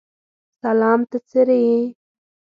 سلام ته څرې یې؟